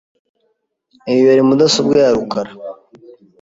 Iyo yari mudasobwa ya rukara?